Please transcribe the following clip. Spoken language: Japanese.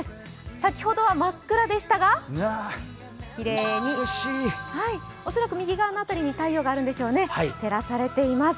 先ほどは真っ暗でしたがきれいに、恐らく右側の辺りに太陽があるんでしょうね、照らされています。